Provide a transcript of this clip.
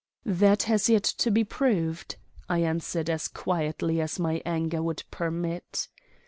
"That has yet to be proved," I answered as quietly as my anger would permit.